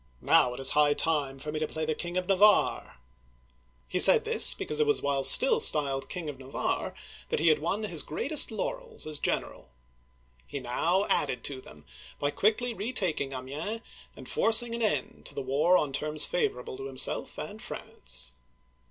Now it is high time for me to play the King Digitized by Google HENRY IV. (1589 1610) 291 of Navarre !He said this because it was while still styled King of Navarre that he had won his greatest laurels as general. He now added to them by quickly retaking Amiens, and forcing an end to the war on terms favor able to himself and France.